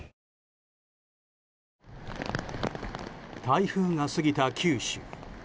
台風が過ぎた九州。